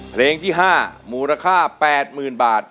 เพลงที่๕มูลค่า๘๐๐๐บาท